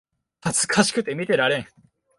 恥ずかしくて見てられん